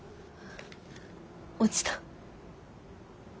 落ちた。